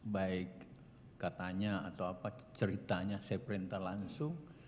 baik katanya atau apa ceritanya saya perintah langsung